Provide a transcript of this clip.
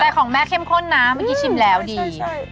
ของแม่เข้มข้นนะเมื่อกี้ชิมแล้วดี